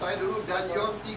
saya dulu dan jom tiga dua delapan